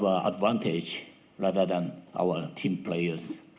berbanding dengan pemain tim kita